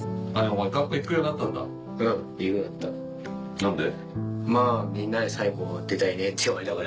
何で？